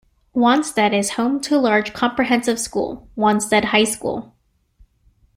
Wanstead is home to a large comprehensive school, Wanstead High School.